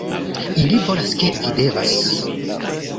- Ili volas ke vi devas -